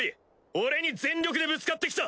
俺に全力でぶつかってきた！